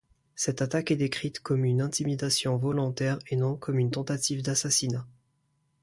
Cette attaque est décrite comme une intimidation volontaire et non comme une tentative d'assassinat.